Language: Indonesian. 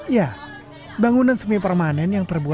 ya bangunan semi permanen yang terbuat